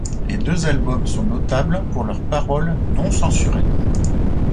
Les deux albums sont notables pour leurs paroles non censurées.